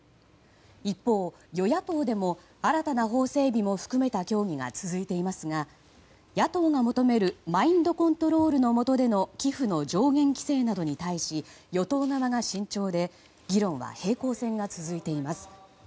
一方、与野党でも新たな法整備を含めた協議が続いていますが、野党が求めるマインドコントロールの下での寄付の上限規制などに対し与党側が慎重で議論は平行線が続いています。